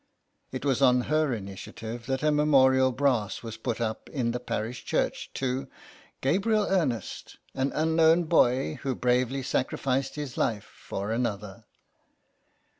It was on her initiative that a memorial brass was put up in the parish church to " Gabriel Ernest, an unknown boy, who bravely sacrificed his life for another."